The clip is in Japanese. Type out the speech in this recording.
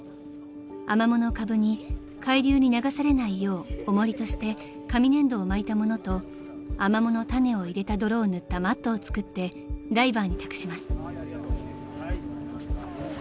［アマモの株に海流に流されないよう重りとして紙粘土を巻いたものとアマモの種を入れた泥を塗ったマットを作ってダイバーに託します］